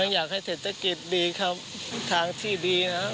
อยากให้เศรษฐกิจดีครับทางที่ดีนะครับ